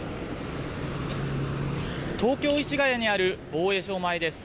東京市ヶ谷にある防衛省前です。